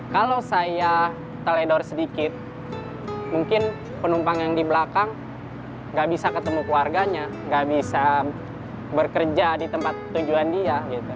kalau saya teledor sedikit mungkin penumpang yang di belakang nggak bisa ketemu keluarganya nggak bisa bekerja di tempat tujuan dia